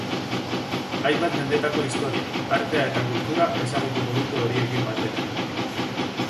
Hainbat mendetako historia, artea eta kultura ezagutuko dute horiekin batera.